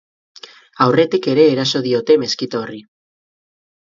Aurretik ere eraso diote meskita horri.